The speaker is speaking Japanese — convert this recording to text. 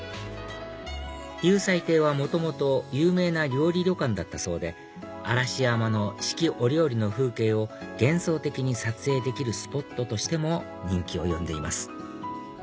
祐斎亭は元々有名な料理旅館だったそうで嵐山の四季折々の風景を幻想的に撮影できるスポットとしても人気を呼んでいます